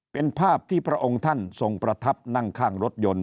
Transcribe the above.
เป็นภาพที่พระองค์ท่านทรงประทับนั่งข้างรถยนต์